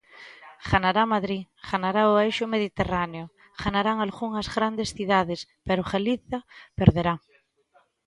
Ganará Madrid, ganará o eixo mediterráneo, ganarán algunhas grandes cidades, pero Galiza perderá.